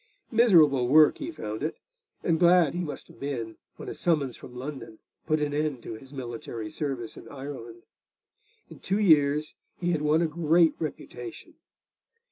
Miserable work he found it, and glad he must have been when a summons from London put an end to his military service in Ireland. In two years he had won a great reputation.